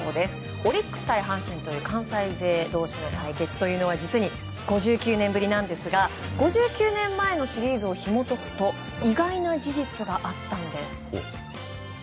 オリックス対阪神という関西勢同士の対決というのは実に５９年ぶりなんですが５９年前のシリーズをひも解くと意外な事実があったんです。